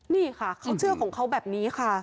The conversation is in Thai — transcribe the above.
นี่ค่ะเขาเชื่อของเขาแบบนี้ค่ะ